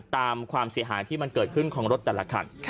ความเสียหายที่มันเกิดขึ้นของรถแต่ละคัน